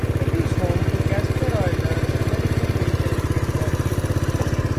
It is home to the Casper Oilers American Legion Baseball team.